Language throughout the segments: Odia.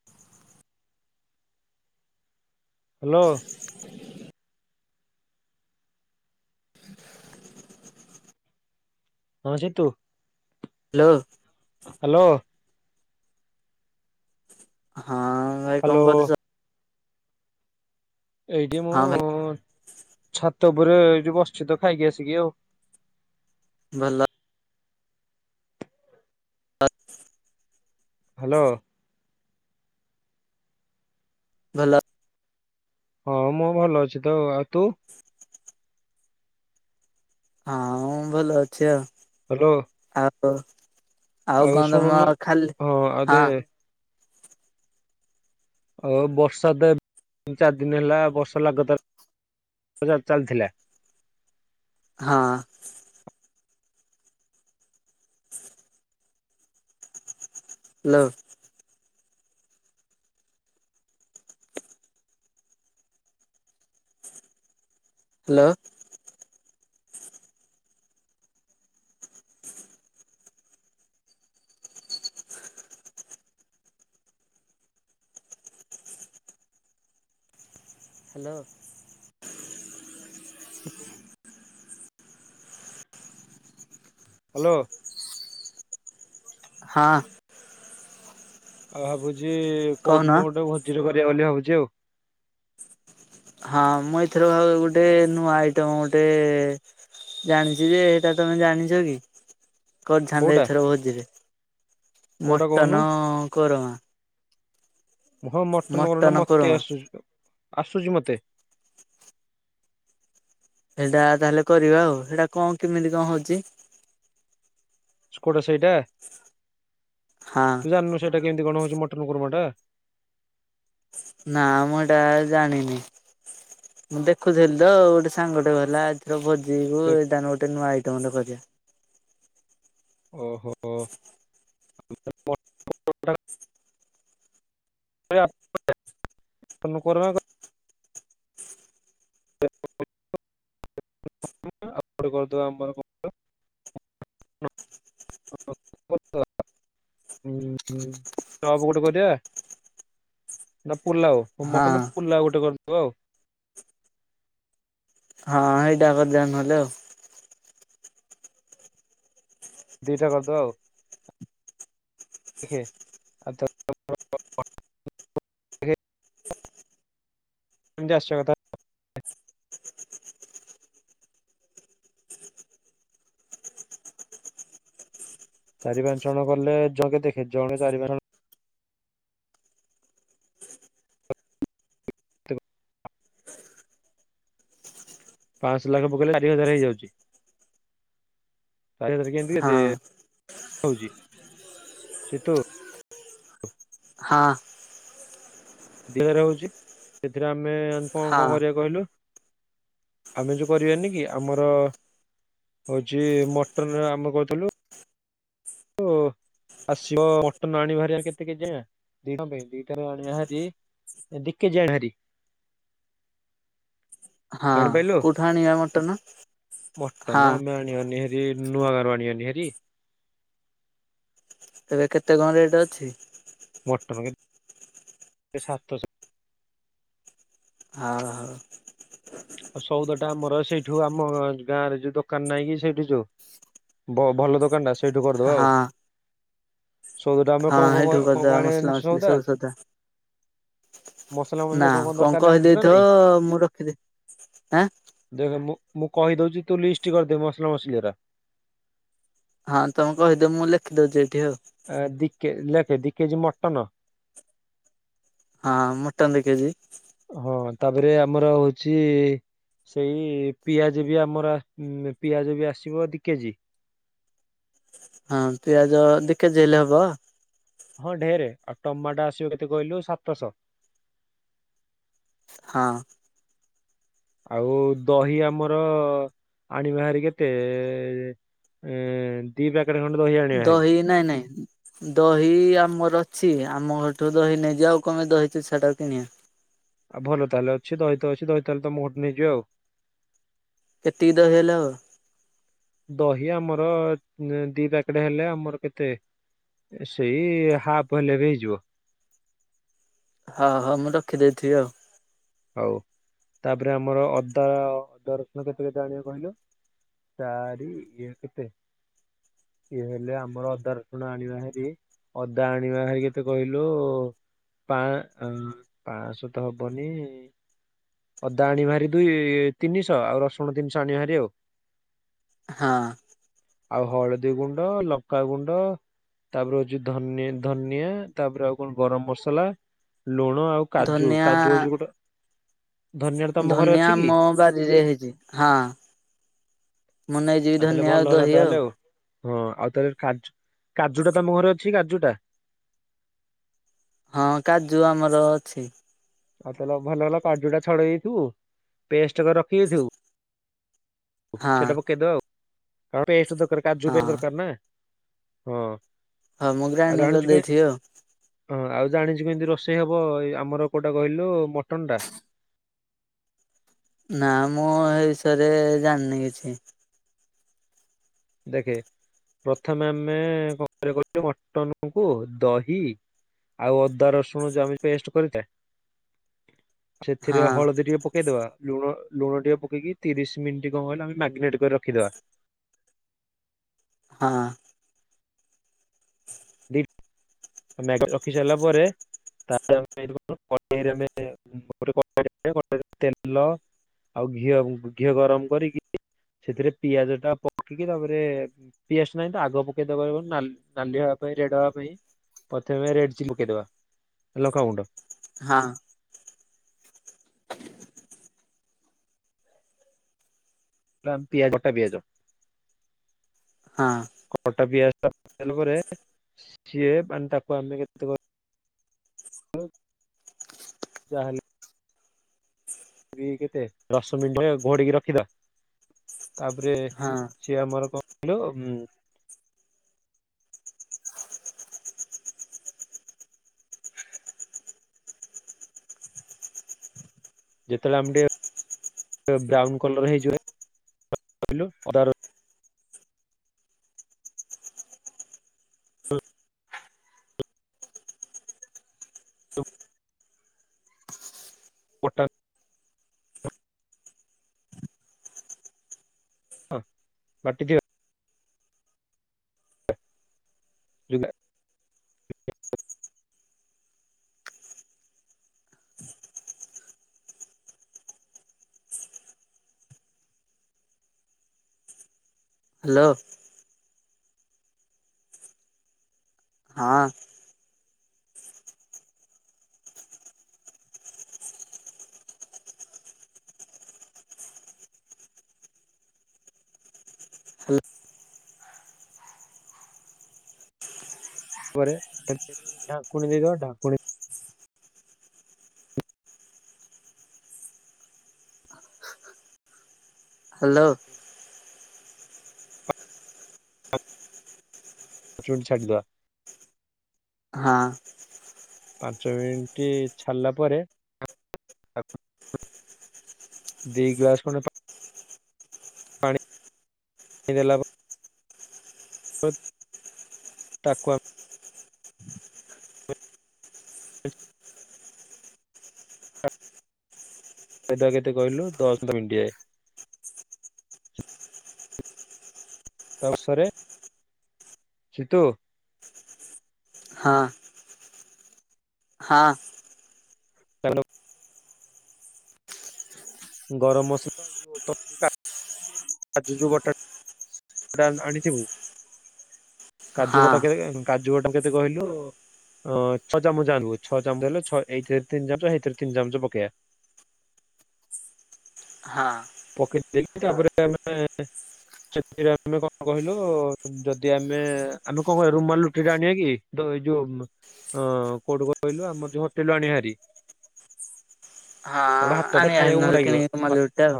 [unintelligible] ହାଲୋ। [inaudible] [inaudible] ହଁ ଜିତୁ। ହାଲୋ। ହାଲୋ ହଁ ଭାଇ କଁ ହ୍ୟାଲୋ କରୁଚ। ଏଇଠି ମୁଁ ହଁ ଭାଇ ଛାତ ଉପରେ ଏଇଠି ବସିଛି ତ ଖାଇକି ଆସିକି ଆଉ। ଭଲ ଅ ହାଲୋ। ଭଲ ହଁ ମୁଁ ଭଲ ଅଛି ତ ଆଉ ତୁ? ହଁଁ ମୁଁ ଭଲ ଅଛି ଆଉ। ହ୍ୟାଲୋ। ଆଉ ଆଉ କଣ ତମ ଖାଲି ହଁ ଆଉ ଦେ ହଁ। ଆଉ ବର୍ଷା ତ ଏ ତିନି ଚାରି ଦିନ ହେଲା ବର୍ଷା ଲାଗାତାର ଚାଲିଥିଲା ହଁ। [inaudible] ହ୍ୟାଲୋ। ହାଲୋ। ହାଲୋ। [unintelligible] ହ୍ୟାଲୋ। ହଁ। ଆଉ ଭାବୁଛି କୋଉ କହୁନ ଦିନ ଗୋଟେ ଭୋଜିଟେ କରିବା ବୋଲି ଭାବୁଛି ଆଉ। ହଁ ମୁଁ ଏଥରକ ଗୋଟେ ନୂଆ ଆଇଟମ ଗୋଟେ ଜାଣିଛି ଯେ ହେଟା ତମେ ଜାଣିଛ କି? କରିଥାନ୍ତେ କୋଉଟା ଏଥର ଭୋଜିଟେ କୋଉଟା କହୁନୁ ମଟନ କୋରମା। ହଁ ମଟନ କୋରମା ଟା ମତେ ଆସୁଛିତ ଆସୁଛି ମତେ। ସେଇଟା ତାହେଲେ କରିବା ଆଉ ସେଇଟା କ କେମିତି କଣ ହଉଛି? ସ୍କୋଟା ସେଇଟା? ହଁ। ତୁ ଜାଣିନୁ ସେଟା କେିମିତି କଣ ହଉଛି ମଟନ୍ କୃର୍ମା ଟା? ନା ମୁଁ ଏଟା ଜାଣିନି। ମୁଁ ଦେଖୁଥିଲି ତ ଗୋଟେ ସାଙ୍ଗ ଟେ ହେଲା ଏଥର ଭୋଜିକୁ ଏଇଟ ଗୋଟେ ନୂଆ ଆଇଟମ୍ ଟେ କରିବା। ଓହୋ ଓ। [unintelligible] [unintelligible] ଆଉ ଗୋଟେ କରିଦବା ଆମର କଣ। [unintelligible] ଚପ ଗୋଟେ କରିବା? ନା ପୁଲାଉ ହଁ। ମଟନ ପୁଲାଉ ଗୋଟେ କରିଦବା ଆଉ। ହଁ ହେଇଟା କରିଦବା ନହେଲେ ଆଉ। ଦିଇଟା କରିଦବା ଆଉ। ଖିଏ ଆଉ ତ ଏମିତି ଆସିବା କଥା। ଚାରି ପାଞ୍ଚ ଜଣ ଗଲେ ଜଣକେ ଦେଖେ ଜଣେ ଚାରି ପାଞ୍ଚ ଜଣ ଜଣ ପାଞ୍ଚ ଶହ ଲେଖା ପକେଇଲେ ଚାରି ହଜାର ହେଇଯାଉଛି। ଚାରି ହଜାରେ କେମିତିକି ଦେ ହଁ। ହଉଛି ସିତୁ ହଁ। ଦି ହଜାରେ ହଉଛି ସେଥିରେ ଆମେ କଣ ହଁ କଣ କରିବା କହିଲୁ? ଆମେ ଯୋଉ କରିବାନି କି ଆମର ହଉଛି ମଟନରେ ଆମେ କହୁଥିଲୁ। ଓ। ଆସିବ ମଟନ ଆଣିବା ହେରି କେତେ କେଜି ଆ ଦିଜଣଙ୍କ ପାଇଁ ଦିଥର ଆଣିବା ହେରି ଦି କେଜି ଆଣିବା ହେରି। ହଁ ଜାଣିପାରିଲୁ କୋଉଠୁ ଆଣିବା ମଟନ ହଁ। [unintelligible] ନୂଆଁ ଗାଁରୁ ଆଣି [unintelligible] ହେରି ଏବେ କେତେ କଣ ରେଟ୍ ଅଛି? ମଟନ କେ ଏ ସାତଶହ ହଉ ହଉ। ଆଉ ସଉଦଟା ଆମର ସେଇଠୁ ଆମ ଗାଁରେ ଯୋଉ ଦୋକାନ ନାହିଁ କି ସେଇଠୁ ଯୋଉ ବ-ଭଲ ଦୋକାନଟା ସେଇଠୁ କରିଦବା ଆଉ। ହଁ ସୋଉଦା ଆମର ହଁ କଁ କଁ କଁ ହେଇଠୁ କଁ କଁ କରିଦବା ମସଲା ଆଣିବାନି ମସଲି ସଉଦା ସବୁ ସଦା ମସଲା ନା ମସଲି କଣ ଦରକାର ଜାଣିଛୁ ନା କହିଦେଇଥିବ ନାଇଁ ମୁଁ ରଖିଦେ ହାଁ ଦେଖ ମୁଁ ମୁଁ କହିଦଉଚି ତୁ ଲିଷ୍ଟ କରିଦେ ମସଲା ମସଲି ରା। ହଁ ତମେ କହିଦିଅ ମୁଁ ଲେଖିଦଉଚି ଏଇଠି ଆଉ। ଏ ଦିକେ ଲେଖେ ଦି କେଜି ମଟନ। ହଁ ମଟନ ଦି କେଜି। ହଁ ତା ଧିଅରେ ଆମର ହଉଚି ସେଇ ପିଆଜ ବି ଆମର ପିଆଜ ବି ଆସିବ ଦି କେଜି। ହଁ ପିଆଜ ଦି କେଜି ହେଲେ ହବ। ହଁ ଢେର ଆଉ ଟମାଟୋ ଆସିବ କେତେ କହିଲୁ ସାତଶହ। ହଁ। ଆଉ ଦହି ଆମର ଆଣିବା ହେରି କେତେ? ଏଁ ଦି ପ୍ୟାକେଟେ ଖଣ୍ଡେ ଦହି ଆ ଦହି ନାଇଁ ନାଇଁ ଦହି ଆମର ଅଛି ଆମ ଘରଠୁ ଦହି ନେଇଯିବା ଆଉ କଁ ପାଇଁ ଦହି ତୁଛାଟାକୁ କିଣିବା। ଆଉ ଭଲ ତାହେଲେ ଅଛି ଦହିତ ଅଛି ଦହି ତାହେଲେ ତମ ଘରଠୁ ନେଇଯିବା ଆଉ। କେତିକି ଦହି ହେଲେ ହବ? ଦହି ଆମର ଦି ପ୍ୟାକେଟ ହେଲେ ଆମର କେତେ ସେଇ ହାପ୍ ହେଲେ ରେ ହେଇଯିବ। ହଁ ହଁ ମୁଁ ରଖିଦେଇଥିବି ଆଉ। ହଉ ତାପରେ ଆମର ଅଦା ଅଦା ରସୁଣ କେତେ କେତେ ଆଣିବା କହିଲୁ? ଚାରି ଇଏ କେତେ? ଇଏ ହେଲେ ଆମର ଅଦା ରସୁଣ ଆଣିବା ହେରି ଅଦା ଆଣିବା [unintelligible] କେତେ କହିଲୁ? ପାଁ ଉଁ ପାଁଶହ ତ ହବନି। ଅଦା ଆଣିବା ହେରି ଦୁଇ ତିନିଶହ ଆଉ ରସୁଣ ତିନିଶହ ଆଣିବା ହେରି ଆଉ। ହଁ। ଆଉ ହଳଦୀ ଗୁଣ୍ଡ, ଲଙ୍କାଗୁଣ୍ଡ। ତାପରେ ହଉଚି ଧନି ଧନିଆ ତାପରେ ଆଉ କଣ ଗରମ ମସଲା ଲୁଣ ଆଉ କାଜୁ ଧନିଆ କାଜୁ ହଉଛି ଗୋଟେ ଧନିଆଟା ତମ ଘରେ ଧନିଆ ଅଛି କି? ଆମ ବାରିରେ ହେଇଚି। ହଁ ମୁଁ ନେଇଯିବି ତାହେଲେ ଧନିଆ ଭଲ ଆଉ ହେଲା ଦହି ତାହେଲେ ଆଉ। ହଁ ଆଉ ତାହେରେ କାଜୁ କାଜୁ ଟା ତମ ଘରେ ଅଛି କାଜୁ ଟା। ହଁ କାଜୁ ଆମର ଅଛି। ଆଉ ତା ହେଲେ ଭଲ ହେଲା କାଜୁ ଟା ଛଡ଼େଇ ଦେଇଥିବୁ ପେଷ୍ଟ କରି ରଖିଦେଇଥିବୁ। ହଁ ସେଇଟା ପକେଇଦବା ଆଉ ଆଉ ପେଷ୍ଟ ଦରକାର କାଜୁ ହଁ ପାଇଁ ଦରକାର ନା ହଁ। ହଁ ମୁଁ ଆଉ ଗ୍ରାଇଣ୍ଡିଗି ଜାଣିଛୁ କେ କରିଦେଇଥିବି ଆଉ। ହଁ ଆଉ ଜାଣିଛୁ କେମିତି ରୋଷେଇ ହବ ଏ ଆମର କୋଉଟା କହିଲୁ ମଟନ୍ ଟା? ନାଁ ମୁଁ ଏ ବିଷୟରେ ଜାଣିନି କିଛି। ଦେଖେ ପ୍ରଥମେ ଆମେ କଣ କରିଆ କହିଲୁ ମଟନ୍ କୁ ଦହି ଆଉ ଅଦା ରସୁଣ ଯୋଉ ଆମ ପେଷ୍ଟ କରିଥାଏ [inaudible] ସେଥିରେ ହଁ ହଳଦୀ ଟିକେ ପକେଇଦବା। ଲୁଣ-ଲୁଣ ଟିକେ ପକେଇକି ତିରିଶ୍ ମିନିଟ୍ କଣ କହିଲ ଆମେ ମ୍ୟାଗ୍ନେଟ୍ କରି ରଖିଦବା। ହଁ। [unintelligible] [unintelligible] ରଖି ସାରିଲା ପରେ ତାପରେ ଆମେ [inaudible] ତେଲ ଆଉ ଘିଅ-ଘିଅ ଗରମ୍ କରିକି, ସେଥିରେ ପିଆଜ ଟା ପକେଇକି ତାପରେ ପିଆଜ ନାହିଁ ତ ଆଗ ପକେଇ [unintelligible] ନାଲି-ନାଲି ହବା ପାଇଁ ରେଡ୍ ହବା ପାଇଁ। ପ୍ରଥମେ ରେଡ୍ ଚିଲି ପକେଇଦବା ଲଙ୍କାଗୁଣ୍ଡ। ହଁ। ବା ପିଆଜ କଟା ପିଆଜ। ହଁ। କଟା ପିଆଜଟା ପକେଇ ସାଇଲା ପରେ, ସିଏ ମାନେ ତାକୁ ଆମେ କେତେ ଯାହେଲେ [unintelligible] କେତେ ଦଶ ମିନିଟ ଘୋଡିକି ରଖିଦବା ତାପରେ ହଁ ସିଏ ଆମର କଣ [unintelligible] ଉଁ ଯେତେଳେ ଆମେ ଟିକେ ବ୍ରାଉନ୍ କଲର୍ ହେଇଯିବ [unintelligible] ଅଦା ର ରସୁଣ ବଟା ବାଟି ଥିବା [unintelligible] ହାଲୋ। ହଁ। ପରେ ତା ଢାଙ୍କୁଣି ଦେଇଦବା, ଢାଙ୍କୁଣି ହାଲୋ। [inaudible] [unintelligible] ଛାଡ଼ିଦବା। ହଁ। ପାଞ୍ଚ ମିନିଟ୍ ଛାଡିଲା ପରେ ଦି ଗ୍ଲାସ୍ ଖଣ୍ଡେ ପା ପାଣି ଦେଲା ପରେ [inaudible] ତାକୁ ଆମେ ସେଟା କେତେ କହିଲୁ ଦଶ [unintelligible] [unintelligible] ସିତୁ। ହଁ ହଁ। [inaudible] ଗରମ୍ ମସଲା [inaudible] କାଜୁ ଯୋଉ ବଟା ସେଟା ଆଣିଥିବୁ, କାଜୁ ହଁ। ବଟା କେତେ କାଜୁ ବଟା କେତେ କହିଲୁ ଅଁ ଛଅ ଚାମଚ ଆଣିବୁ ଛଅ ଚାମଚ ହେଲେ ଏଇଥିରେ ତିନି ଚାମଚ ସେଇଥିରେ ତିନି ଚାମଚ ପକେଇଆ। [inaudible] ହଁ। ପକେଇ ଦେଇକି ତାପରେ ଆମେ ସେ ଆମେ କଁ କହିଲୁ ଯଦି ଆମେ ଆମେ କଁ କହିବା ରୁମାଲ ରୁଟି ଟା ଆଣିବା କି ଦ ଏଇ ଯୋଉ। ଅଁ କୋଉଠୁ କହିଲୁ ଆମର ଯୋଉ ହୋଟେଲୁ ଆଣିବା ହାରି। କାରଣ ହଁ ଭାତ ଟା ଆଣାବା ଖାଇବାକୁ ହାରି ଭଲ ନହେଲେ କିଣି କି ରୁମାଲ ରୁଟି ଟା ଆଉ।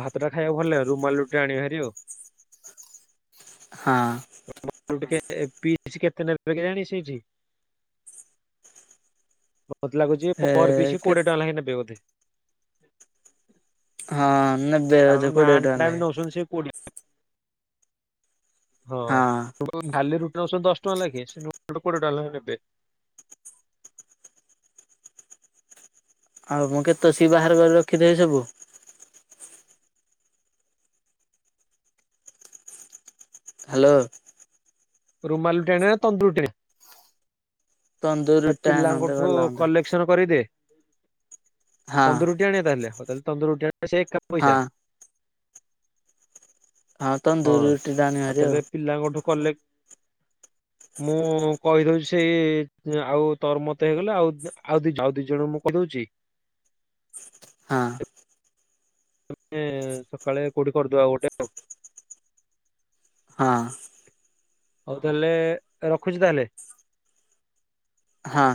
ଭାତଟା ଖାଇବାକୁ ଭଲ ଲାଗିବନି ରୁମାଲ ରୁଟି ଟା ଆଣିବି ହାରି ଆଉ। ହଁ। ରୁମାଲ ରୁଟି କେତେ ପିସ କେତେ ନେବେ କେଜାଣି ସେଇଠି। ମତେ ଲାଗୁଛି ଏ ପର ପିସ୍ କେ କୋଡିଏ ଟଙ୍କା ଲେଖେ ନେବେ ବୋଧେ। ହଁ ନେବେ ବୋଧେ କୋଡ଼ିଏ ଟଙ୍କା ଲେଖେ। ଚନ୍ତି ସେଇ କୋଡ଼ିଏ। ହଁ ଖାଲି ରୁଟି ନଉଛନ୍ତି ଦଶ ଟଙ୍କା ଲେଖେ ସେ କୋଡିଏ ଟଙ୍କା ଲେଖେ ନେବେ। ଆଉ ମୁଁ କେତେ ସିଏ ବାହାରେ ବାହାରୁ ରଖିଥିବେ ସବୁ। ହାଲୋ। ରୁମାଲୁ ରୁଟି ଆଣିବା ନା ତନ୍ଦୁରି ରୁଟି। ତନ୍ଦୁର ସେ ରୁଟିଟା ଆଣନ୍ତେ ପିଲାଙ୍କଠୁ ଭଲ ହୁଅନ୍ତା। କଲେକ୍ସନ। କରିଦେ ହଁ ତନ୍ଦୁର ରୁଟି ଆଣିବା ତାହେଲେ ହଉ ତାହେଲେ ତନ୍ଦୁର ରୁଟି ଆଣିବା ସେଇ ଏକା ପଇସା। ହଁ ହଁ ତନ୍ଦୁର ଆଉ ରୁଟିଟା ଆଣିବା ହାରି ଆଉ ତାହେଲେ ପିଲାଙ୍କଠୁ କଲେ ମୁଁ କହିଦଉଛି ସେଇ। ଯେ ଆଉ ତୋର ତ ହେଇଗଲେ ଆଉ ଦି ଆଉ ଦି ଜଣଙ୍କୁ ମୁଁ କହି ଦଉଛି। ହଁ ଆମେ ସକାଳେ କୋଉଠି କରିଦବା ଗୋଟେ। ହଁ। ହଉ ତାହେଲେ ରଖୁଛି ତାହେଲେ। ହଁ।